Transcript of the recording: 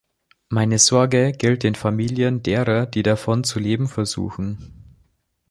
Meine Sorge gilt den Familien derer, die davon zu leben versuchen.